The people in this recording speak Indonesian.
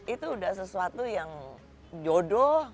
itu udah sesuatu yang jodoh